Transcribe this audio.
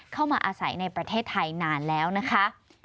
เข้ามาอาศัยในประเทศไทยนานแล้วนะคะ